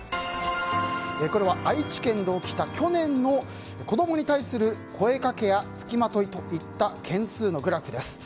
これは愛知県で起きた去年の子供に対する声掛けや付きまといといった件数のグラフです。